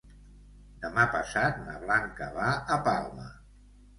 Demà passat na Blanca va a Palma.